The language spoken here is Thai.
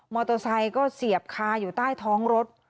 เตอร์ไซค์ก็เสียบคาอยู่ใต้ท้องรถ